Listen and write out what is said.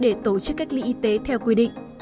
để tổ chức cách ly y tế theo quy định